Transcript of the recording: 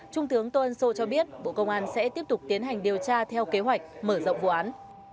trung tướng tôn sô cho biết bộ công an sẽ tiếp tục tiến hành điều tra theo kế hoạch mở rộng vụ án